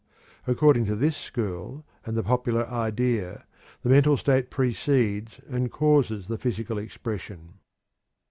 According to this school, and the popular idea, the mental state precedes and causes the physical expression.